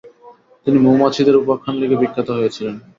তিনি মৌমাছিদের উপাখ্যান লিখে বিখ্যাত হয়েছিলেন।